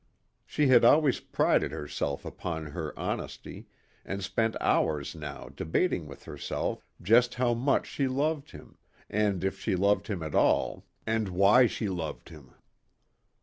She had always prided herself upon her honesty and spent hours now debating with herself just how much she loved him and if she loved him at all and why she loved him.